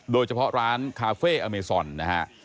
โดยเฉพาะร้านคาเฟ่อเมซอนนะฮะ